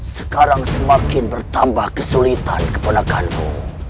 sekarang semakin bertambah kesulitan keponakanmu